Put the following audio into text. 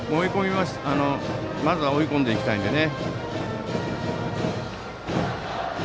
まずは追い込んでいきたいですね。